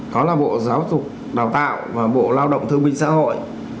đó là bộ giáo dục đào tạo và bộ lao động thương minh xã hội